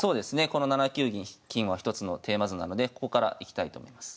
この７九金は一つのテーマ図なのでここからいきたいと思います。